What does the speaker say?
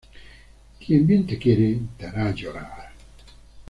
Quien bien te quiere, te hará llorar